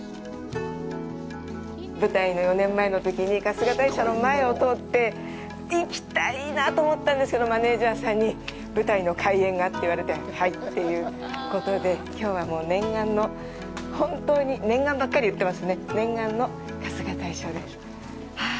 舞台の４年前のときに春日大社の前を通って、行きたいなと思ったんですけど、マネージャーさんに、舞台の開演がと言われて、はいということで、きょうは、もう念願の、本当に、“念願”ばっかり言ってますね、念願の春日大社です。